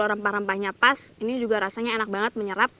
rempah rempahnya pas ini juga rasanya enak banget menyerap